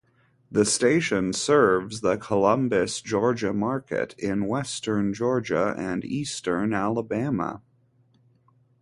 The station serves the Columbus, Georgia market in western Georgia and eastern Alabama.